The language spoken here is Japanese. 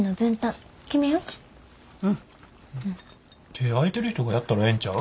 手ぇ空いてる人がやったらええんちゃう？